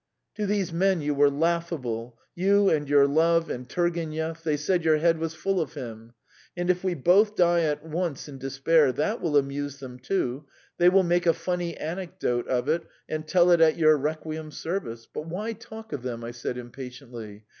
"To these men you were laughable you and your love and Turgenev; they said your head was full of him. And if we both die at once in despair, that will amuse them, too; they will make a funny anecdote of it and tell it at your requiem service. But why talk of them?" I said impatiently.